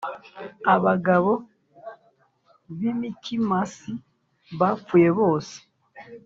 abagabo b i Mikimasi bapfuye bose